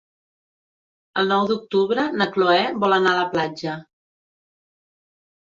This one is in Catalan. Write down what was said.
El nou d'octubre na Cloè vol anar a la platja.